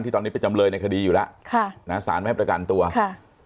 ที่ตอนนี้ไปจำเลยในคดีอยู่แล้วค่ะสารแมพระการตัวค่ะ